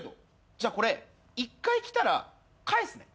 じゃあこれ１回着たら返すね。